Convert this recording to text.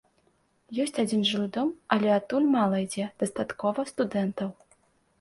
Ёсць адзін жылы дом, але адтуль мала ідзе, дастаткова студэнтаў.